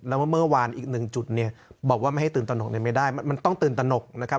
แล้วว่าเมื่อวานอีกหนึ่งจุดเนี่ยบอกว่าไม่ให้ตื่นตนกเนี่ยไม่ได้มันต้องตื่นตนกนะครับ